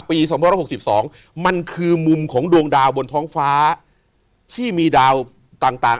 ๒๖๒มันคือมุมของดวงดาวบนท้องฟ้าที่มีดาวต่าง